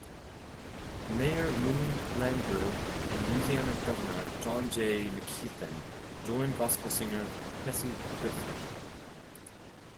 Mayor Moon Landrieu and Louisiana Governor John J. McKeithen joined gospel singer Bessie Griffin.